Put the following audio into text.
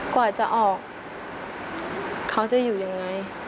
กว่าจะออกเขาจะอยู่ยังไง